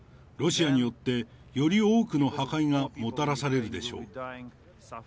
ロシアによって、より多くの破壊がもたらされるでしょう。